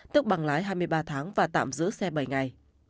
tức bằng lái hai mươi ba tháng và tạm giữ xe bảy ngày